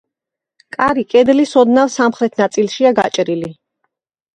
კარი კედლის ოდნავ სამხრეთ ნაწილშია გაჭრილი.